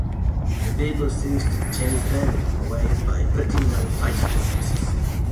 The people seek to chase them away by putting on frightful masks.